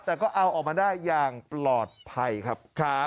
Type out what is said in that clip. แต่ก็เอาออกมาได้อย่างปลอดภัยครับ